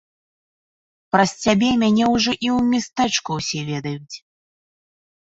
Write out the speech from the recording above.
Праз цябе мяне ўжо і ў мястэчку ўсе ведаюць!